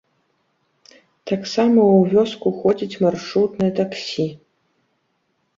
Таксама ў вёску ходзіць маршрутнае таксі.